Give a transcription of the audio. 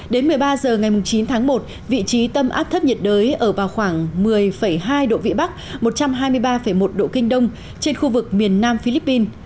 đến một mươi ba h ngày chín tháng một vị trí tâm áp thấp nhiệt đới ở vào khoảng một mươi hai độ vĩ bắc một trăm hai mươi ba một độ kinh đông trên khu vực miền nam philippines